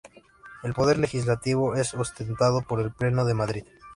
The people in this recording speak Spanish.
El poder legislativo es ostentado por el Pleno de Madrid.